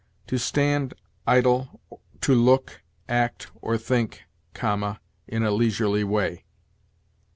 ' to stand idle, to look, act, or think(,) in a leisurely way.'